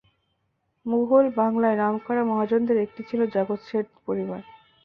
মুগল বাংলায় নামকরা মহাজনদের একটি ছিল জগৎ শেঠ পরিবার।